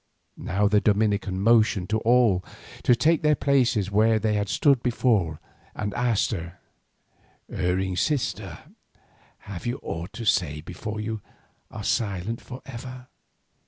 Now the Dominican motioned to all to take the places where they had stood before and asked her: "Erring sister, have you aught to say before you are silent for ever?"